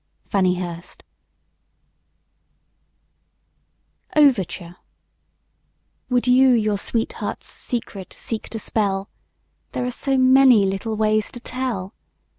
FANNIE HURST. OVERTURE Would you your sweetheart's secret seek to spell? There are so many little ways to tell!